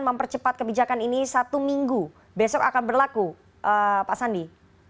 mempercepat kebijakan ini satu minggu besok akan berlaku pak sandi